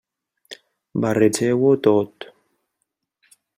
Barregeu-ho tot.